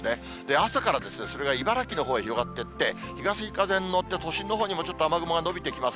朝からそれが茨城のほうへ広がっていって、東風に乗って、都心のほうにもちょっと雨雲が延びてきます。